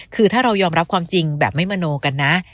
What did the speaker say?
คือถ้าเรายอมรับความจริงแบบไม่มโนกันนะ